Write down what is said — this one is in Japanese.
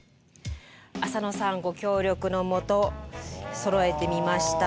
浅野さんご協力のもとそろえてみました。